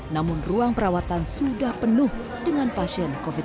namun ruang perawatan sudah penuh dengan pasien covid sembilan belas